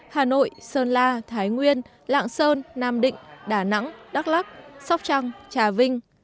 hà nội sơn la thái nguyên lạng sơn nam định đà nẵng đắk lắc sóc trăng trà vinh